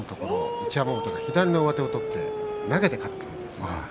一山本が左の上手を取って投げて勝っています。